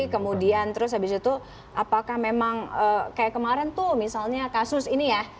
kemudian terus habis itu apakah memang kayak kemarin tuh misalnya kasus ini ya